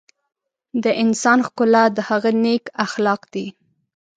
د انسان ښکلا د هغه نیک اخلاق دي.